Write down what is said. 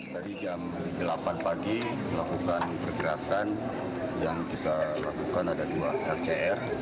tadi jam delapan pagi melakukan pergerakan yang kita lakukan ada dua rcr